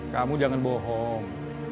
kamu jangan bohong